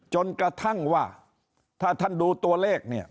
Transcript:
จนกระทั่งว่าถ้าท่านดูตัวเลขเนี่ย